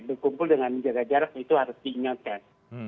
berkumpul dengan menjaga jarak itu harus diingatkan